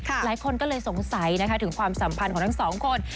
หลายคนก็เลยสงสัยนะคะถึงความสัมพันธ์ของทั้งสองคน